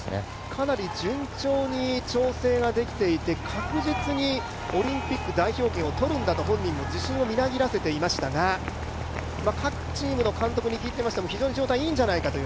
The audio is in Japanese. かなり順調に調整が出来ていて、確実にオリンピック代表権を取るんだと、本人も自信をみなぎらせていましたが各チームの監督に聞いてみましても、非常に状態はいいんじゃないかと。